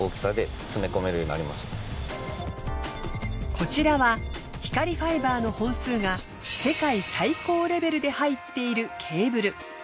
こちらは光ファイバーの本数が世界最高レベルで入っているケーブル。